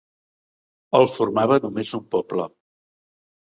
El formava només un poble.